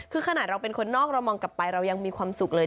คือขนาดเราเป็นคนนอกเรามองกลับไปเรายังมีความสุขเลย